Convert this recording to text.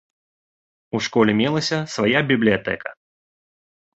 У школе мелася свая бібліятэка.